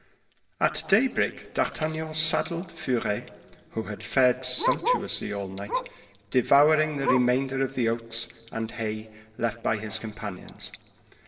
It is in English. At daybreak D'Artagnan saddled Furet, who had fared sumptuously all night, devouring the remainder of the oats and hay left by his companions.